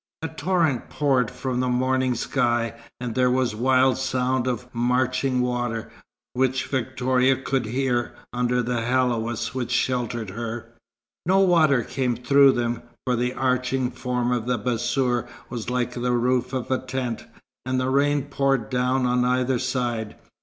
A torrent poured from the mourning sky, and there was a wild sound of marching water, which Victoria could hear, under the haoulis which sheltered her. No water came through them, for the arching form of the bassour was like the roof of a tent, and the rain poured down on either side.